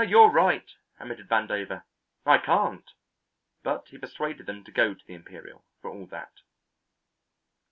"You're right," admitted Vandover, "I can't," but he persuaded them to go to the Imperial for all that.